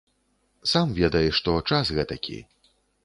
Сам ведай, што час гэтакі.